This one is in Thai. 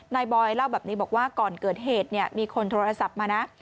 บอยเล่าแบบนี้บอกว่าก่อนเกิดเหตุเนี่ยมีคนโทรศัพท์มานะ